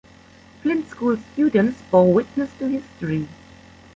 Flint School students bore witness to history.